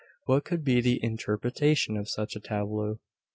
What could be the interpretation of such a tableau?